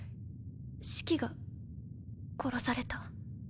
シキが殺された。